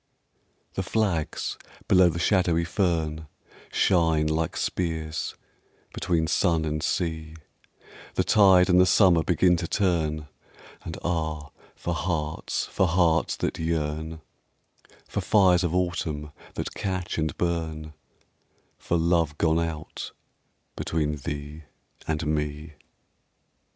THE flags below the shadowy fern Shine like spears between sun and sea, The tide and the summer begin to turn, And ah, for hearts, for hearts that yearn, For fires of autumn that catch and burn, For love gone out between thee and me.